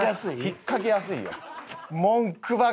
引っかけやすいよ。